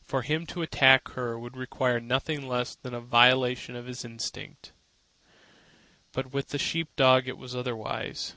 For him to attack her would require nothing less than a violation of his instinct. But with the sheep dog it was otherwise.